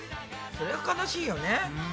そりゃ悲しいよね。